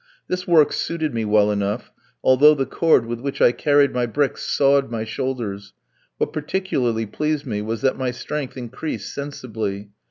This work suited me well enough, although the cord with which I carried my bricks sawed my shoulders; what particularly pleased me was that my strength increased sensibly.